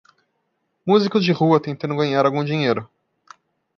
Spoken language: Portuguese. Músicos de rua tentando ganhar algum dinheiro.